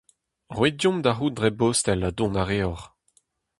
Roit deomp da c'houzout dre bostel ha dont a reoc'h.